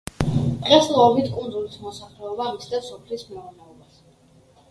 დღესდღეობით კუნძულის მოსახლეობა მისდევს სოფლის მეურნეობას.